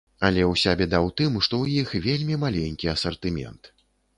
Але ўся бяда ў тым, што ў іх вельмі маленькі асартымент.